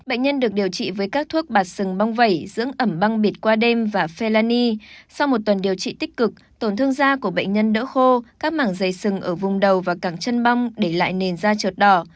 bệnh nhân được điều trị với các thuốc bạt sừng bong vẩy dưỡng ẩm băng bịt qua đêm và felani sau một tuần điều trị tích cực tổn thương da của bệnh nhân đỡ khô các mảng dày sừng ở vùng đầu và càng chân bong để lại nền da trượt đỏ